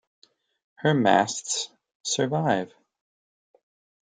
Her masts survive.